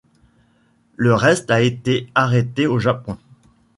Le reste a été arrêté au Japon.